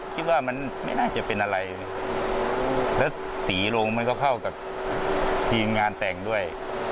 คิดว่ามันไม่น่าจะเป็นอะไรแล้วสีโรงมันก็เข้ากับทีมงานแต่งด้วย